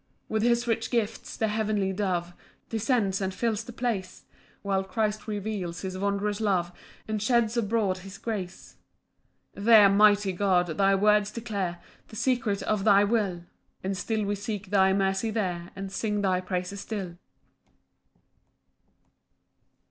3 With his rich gifts the heavenly Dove Descends and fills the place, While Christ reveals his wondrous love, And sheds abroad his grace. 4 There, mighty God, thy words declare The secrets of thy will; And still we seek thy mercy there, And sing thy praises still.